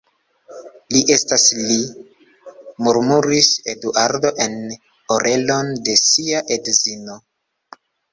Li estas Li, murmuris Eduardo en orelon de sia edzino.